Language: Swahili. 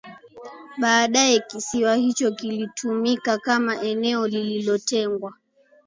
Baadae kisiwa hicho kilitumika kama eneo lilotengwa